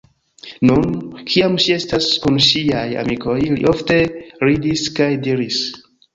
Nun, kiam ŝi estas kun ŝiaj amikoj, ili ofte ridis kaj diris: